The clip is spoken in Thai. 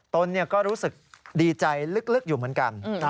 ตนก็รู้สึกดีใจลึกอยู่เหมือนกัน